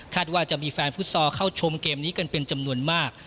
ว่าจะมีแฟนฟุตซอลเข้าชมเกมนี้กันเป็นจำนวนมาก